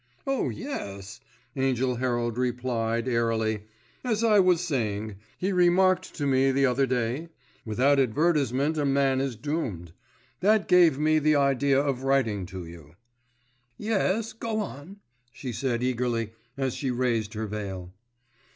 "Oh, yes," Angell Herald replied, airily. "As I was saying, he remarked to me the other day, 'Without advertisement a man is doomed.' That gave me the idea of writing to you." "Yes, go on," she said eagerly, as she raised her veil.